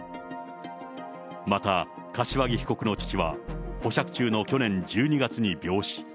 また、柏木被告の父は、保釈中の去年１２月に病死。